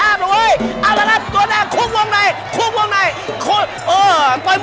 ไปแดงแล้วครับล่วงไปแล้วล่วงไปแล้ว